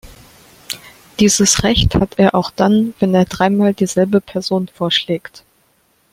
Dieses Recht hat er auch dann, wenn er dreimal dieselbe Person vorschlägt.